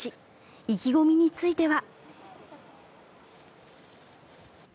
意気込みについては。